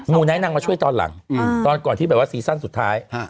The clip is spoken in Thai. ูไนท์นางมาช่วยตอนหลังตอนก่อนที่แบบว่าซีซั่นสุดท้าย